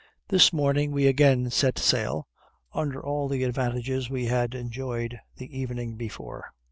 This morning we again set sail, under all the advantages we had enjoyed the evening before.